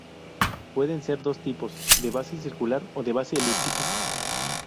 Pueden ser de dos tipos: de base circular o de base elíptica.